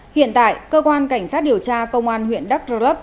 hiện tại cơ quan cảnh sát điều tra công an huyện đắk rơ lấp